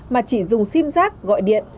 mà chỉ dùng sim giác gọi điện